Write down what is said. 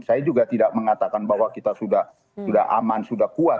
saya juga tidak mengatakan bahwa kita sudah aman sudah kuat